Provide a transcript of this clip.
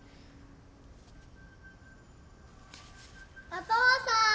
お父さん！